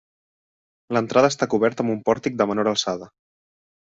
L'entrada està coberta amb un pòrtic de menor alçada.